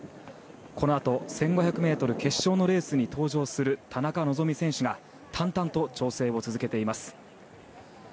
このあと１５００ｍ決勝のレースに登場する田中希実選手が淡々と調整を続けています。